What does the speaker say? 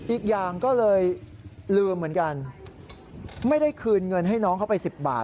อีกอย่างก็เลยลืมเหมือนกันไม่ได้คืนเงินให้น้องเขาไป๑๐บาท